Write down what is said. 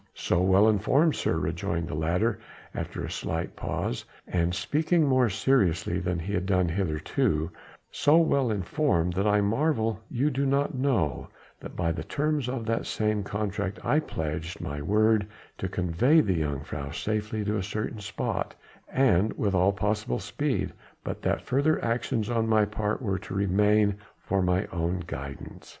"So well informed, sir," rejoined the latter after a slight pause, and speaking more seriously than he had done hitherto, "so well informed that I marvel you do not know that by the terms of that same contract I pledged my word to convey the jongejuffrouw safely to a certain spot and with all possible speed, but that further actions on my part were to remain for mine own guidance.